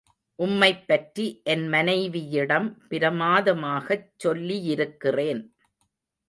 உம்மைப் பற்றி என் மனைவியிடம் பிரமாதமாகச் சொல்லியிருக்கிறேன்.